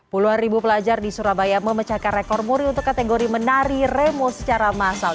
puluhan ribu pelajar di surabaya memecahkan rekor muri untuk kategori menari remo secara massal